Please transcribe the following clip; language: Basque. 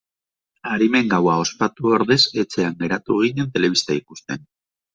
Arimen gaua ospatu ordez etxean geratu ginen telebista ikusten.